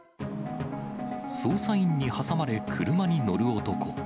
捜査員に挟まれ車に乗る男。